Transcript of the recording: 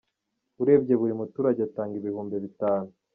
Urebye buri umuturage atanga ibihumbi bitanu.